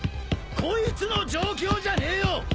こいつの状況じゃねえよ！